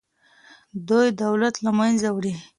دوی دولت له منځه وړي.